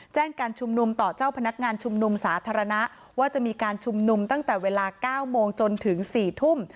การชุมนุมต่อเจ้าพนักงานชุมนุมสาธารณะว่าจะมีการชุมนุมตั้งแต่เวลา๙โมงจนถึง๔ทุ่ม